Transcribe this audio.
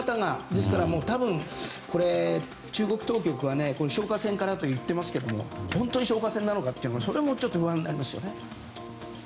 ですから、多分、中国当局は消火栓からと言っていますが本当に消火栓なのかというのも不安になりますよね。